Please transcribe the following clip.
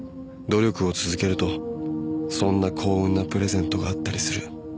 ［努力を続けるとそんな幸運なプレゼントがあったりする］